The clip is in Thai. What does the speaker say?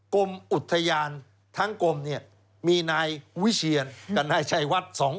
กรมอุทยานทั้งกรมเนี่ยมีนายวิเชียนกับนายชัยวัด